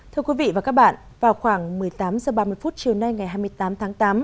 thưa quý vị và các bạn vào khoảng một mươi tám h ba mươi chiều nay ngày hai mươi tám tháng tám